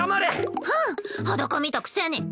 ふんっ裸見たくせに。